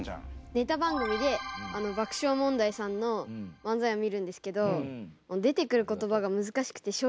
ネタ番組で爆笑問題さんの漫才を見るんですけど出てくる言葉が難しくて正直よく分かりません。